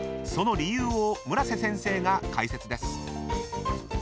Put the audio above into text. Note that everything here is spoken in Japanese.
［その理由を村瀬先生が解説です］